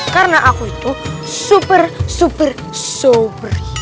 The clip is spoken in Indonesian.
karena aku itu super super sober